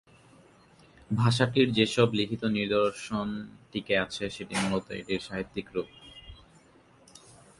ভাষাটির যেসব লিখিত নিদর্শন টিকে আছে, সেটি মূলত এটির সাহিত্যিক রূপ।